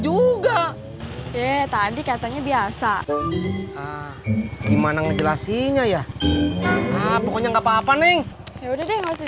juga ya tadi katanya biasa gimana ngejelasin ya ya pokoknya enggak apa apa neng ya udah deh masih